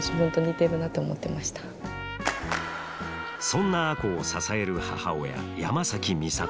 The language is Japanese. そんな亜子を支える母親山崎美里。